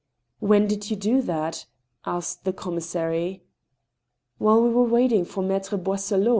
" When did you do that ?" asked the commissary. " While we were waiting for Maitre Boisselot."